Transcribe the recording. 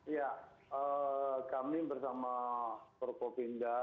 ya kami bersama perpopinda